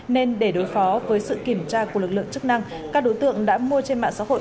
nên để đối phó với sự kiểm tra của lực lượng chức năng các đối tượng đã mua trên mạng xã hội